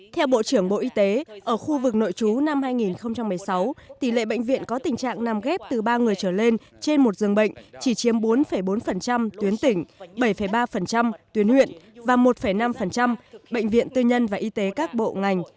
theo bộ trưởng bộ y tế ở khu vực nội trú năm hai nghìn một mươi sáu tỷ lệ bệnh viện có tình trạng nằm ghép từ ba người trở lên trên một dường bệnh chỉ chiếm bốn bốn tuyến tỉnh bảy ba tuyến huyện và một năm bệnh viện tư nhân và y tế các bộ ngành